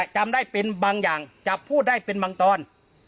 จำได้เป็นบางอย่างจับพูดได้เป็นบางตอน